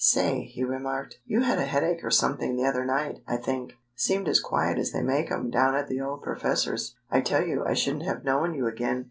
"Say," he remarked, "you had a headache or something the other night, I think? Seemed as quiet as they make 'em down at the old professor's. I tell you I shouldn't have known you again."